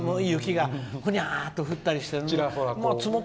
がふにゃーっと降ったりして。